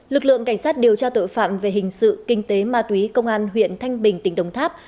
lực lượng cảnh sát điều tra tội phạm về hình sự kinh tế ma túy công an huyện thanh bình tỉnh đồng tháp